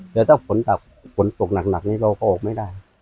แต่ถ้าฝนตกหนักนี้เราก็ออกไม่ได้